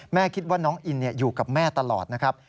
คิดว่าน้องอินอยู่กับแม่ตลอดนะครับ